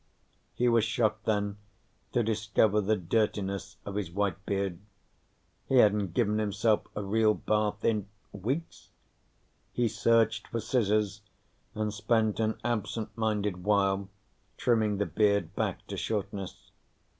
He was shocked then to discover the dirtiness of his white beard. He hadn't given himself a real bath in weeks? He searched for scissors and spent an absent minded while trimming the beard back to shortness.